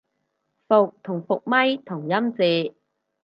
覆同復咪同音字